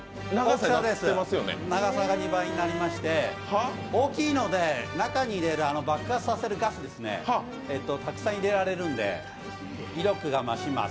そうです、長さが２倍になりまして大きいので中に入れる爆破させるガスたくさん入れられるんで威力が増します。